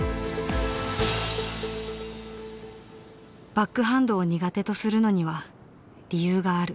バックハンドを苦手とするのには理由がある。